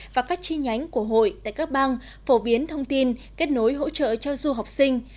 và các chi nhánh của hội tại các bang phổ biến thông tin kết nối hỗ trợ cho du học sinh